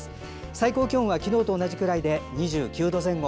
最高気温は昨日と同じくらいで２９度前後。